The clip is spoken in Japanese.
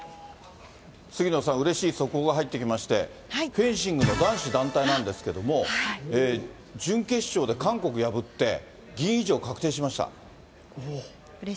杉野さん、うれしい速報が入ってきまして、フェンシングの男子団体なんですけれども、準決勝で韓国破って、銀以上、確定しました。